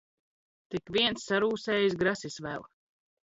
Tik viens sar?s?jis grasis v?l!